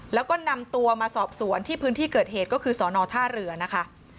แล้วก็นำตัวมาสอบสวนที่พื้นที่เกิดเหตุก็คือสอนอท่าเรือนะคะ